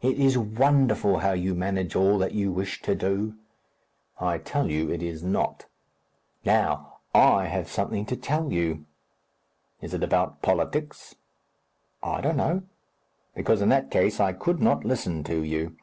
"It is wonderful how you manage all that you wish to do." "I tell you it is not." "Now, I have something to tell you." "Is it about politics?" "I don't know." "Because in that case I could not listen to you."